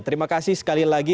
terima kasih sekali lagi